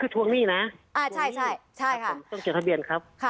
คือทวงหนี้นะผมต้องจดทะเบียนครับ